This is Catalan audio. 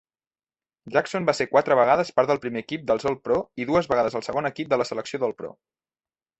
Jackson va ser quatre vegades part del primer equip dels All-Pro i dues vegades al segon equip de la selecció d'All-Pro.